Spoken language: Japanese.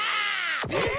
・えっ？